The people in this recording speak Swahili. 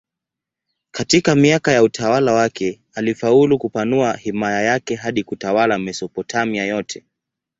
Katika miaka ya utawala wake alifaulu kupanua himaya yake hadi kutawala Mesopotamia yote.